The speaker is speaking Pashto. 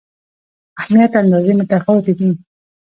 اهمیت اندازې متفاوتې دي.